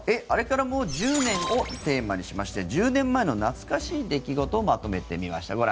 あれからもう１０年？をテーマにして１０年前の懐かしい出来事をまとめてみました。